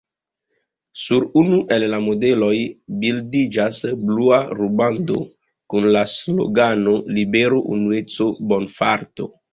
Sur unu el la modeloj bildiĝas blua rubando kun la slogano "libero, unueco, bonfarto".